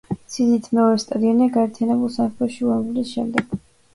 სიდიდით მეორე სტადიონია გაერთიანებულ სამეფოში უემბლის შემდეგ.